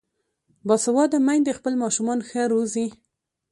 باسواده میندې خپل ماشومان ښه روزي.